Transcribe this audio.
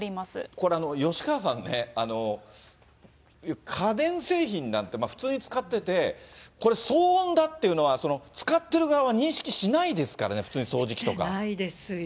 これ、吉川さんね、家電製品なんて、普通に使ってて、騒音だっていうのは使ってる側は認識しないですからね、普通に掃してないですよ。